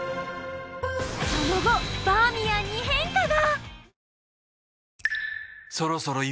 その後バーミヤンに変化が！